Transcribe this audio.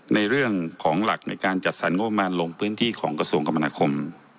ในเรื่องของหลักในการจัดสรรงบประมาณลงพื้นที่ของกระทรวงกรรมนาคม